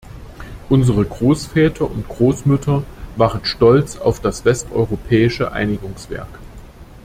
Unsere Großväter und Großmütter waren stolz auf das westeuropäische Einigungswerk.